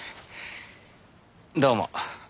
どうも。